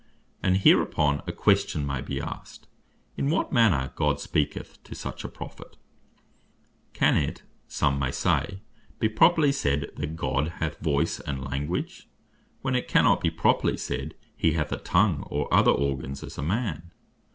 And hereupon a question may be asked, in what manner God speaketh to such a Prophet. Can it (may some say) be properly said, that God hath voice and language, when it cannot be properly said, he hath a tongue, or other organs, as a man?